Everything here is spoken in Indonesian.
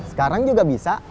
sekarang juga bisa